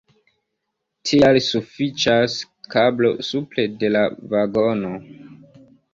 Tial sufiĉas kablo supre de la vagono.